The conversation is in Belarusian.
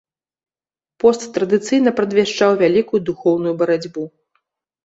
Пост традыцыйна прадвяшчаў вялікую духоўную барацьбу.